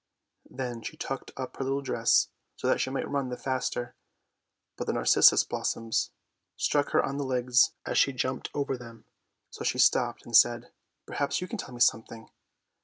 Then she tucked up her little dress, so that she might run the faster, but the narcissus blossoms struck her on the legs as she jumped over them, so she stopped and said, " Perhaps you can tell me something."